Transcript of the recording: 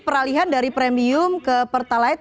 peralihan dari premium ke pertalite